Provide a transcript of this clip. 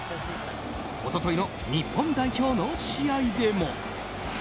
一昨日の日本代表の試合でも。